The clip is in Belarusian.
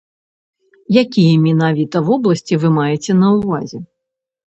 Якія менавіта вобласці вы маеце на ўвазе?